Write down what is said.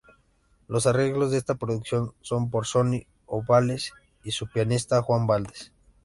Los arreglos de esta producción son por Sonny Ovalles y su pianista Juan Valdez.